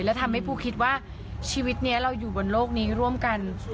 และทำให้ปูคิดว่าชีวิตนี้เราอยู่บนโลกนี้ร่วมกัน